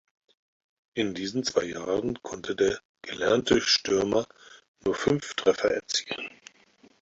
In diesen zwei Jahren konnte der gelernte Stürmer nur fünf Treffer erzielen.